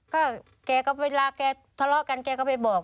ก็แกก็เวลาแกทะเลาะกันแกก็ไปบอก